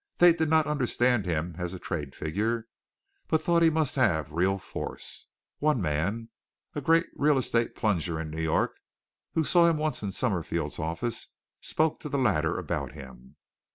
They did not understand him as a trade figure, but thought he must have real force. One man a great real estate plunger in New York, who saw him once in Summerfield's office spoke to the latter about him.